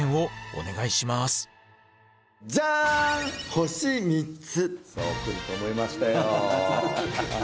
星３つ！